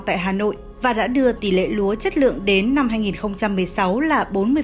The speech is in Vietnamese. tại hà nội và đã đưa tỷ lệ lúa chất lượng đến năm hai nghìn một mươi sáu là bốn mươi